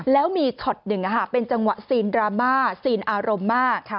แล้วมีช็อตหนึ่งเป็นจังหวะซีนดราม่าซีนอารมณ์มาก